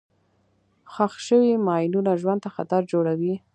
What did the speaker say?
ښخ شوي ماینونه ژوند ته خطر جوړوي.